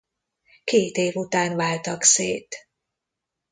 Két év után váltak szét.